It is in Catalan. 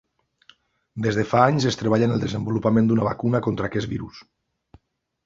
Des de fa anys es treballa en el desenvolupament d'una vacuna contra aquest virus.